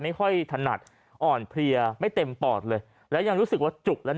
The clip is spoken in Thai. ถนัดอ่อนเพลียไม่เต็มปอดเลยแล้วยังรู้สึกว่าจุกแล้ว